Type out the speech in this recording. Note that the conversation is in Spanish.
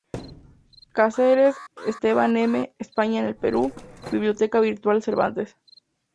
Cáceres, Esteban M... "España en el Perú", Biblioteca Virtual Cervantes.